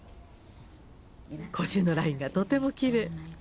腰のラインがとてもきれい。